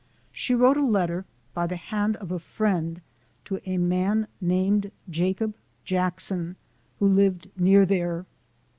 Slio wrote a letter, by the hand of a friend, to a man named Jacob Jackson, who lived near there.